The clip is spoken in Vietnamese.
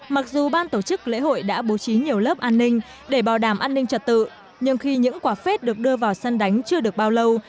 mặc dù ban tổ chức lễ hội đã bố trí nhiều lớp an ninh để bảo đảm an ninh trật tự nhưng khi những quả phết được đưa vào sân đánh chưa được bao lâu